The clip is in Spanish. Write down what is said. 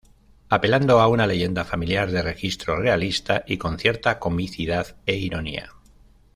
Apelando a una leyenda familiar de registro realista y con cierta comicidad e ironía.